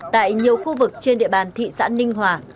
tại nhiều khu vực trên địa bàn thị xã ninh hòa